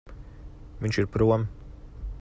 Viņš ir prom.